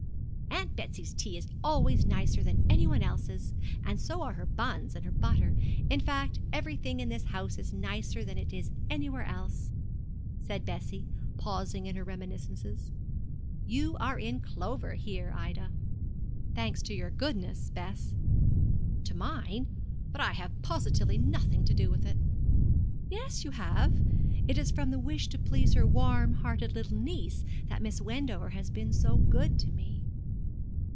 'Aunt Betsy's tea is always nicer than any one else's; and so are her buns and her butter; in fact everything in this house is nicer than it is anywhere else,' said Bessie, pausing in her reminiscences. 'You are in clover here, Ida.' 'Thanks to your goodness, Bess.' 'To mine? But I have positively nothing to do with it.' 'Yes, you have. It is from the wish to please her warm hearted little niece that Miss Wendover has been so good to me.'